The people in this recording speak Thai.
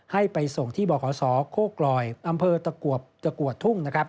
ให้ไปส่งที่บขโคกรอยอตะกวดทุ่ง